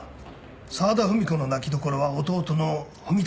沢田文子の泣きどころは弟の文武だ。